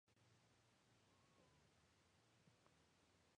Fodor emigró a Francia y desde allí a los Estados Unidos.